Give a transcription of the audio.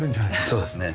そうですね。